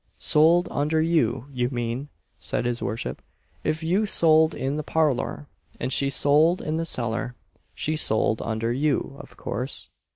"Sold under you, you mean," said his worship "If you sold in the parlour, and she sold in the cellar, she sold under you, of course."